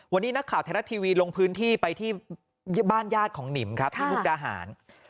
วันนี้นักข่าวไทยรัฐทีวีลงพื้นที่ไปที่บ้านญาติของหนิมครับที่มุกดาหาร